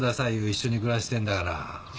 一緒に暮らしてんだから。